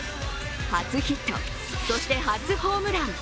初ヒット、そして発ホームラン。